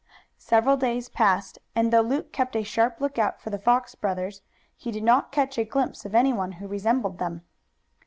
Several days passed, and though Luke kept a sharp lookout for the Fox brothers he did not catch a glimpse of anyone who resembled them.